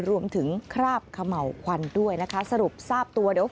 รวมถึงคราบเขม่าควันด้วยนะคะสรุปทราบตัว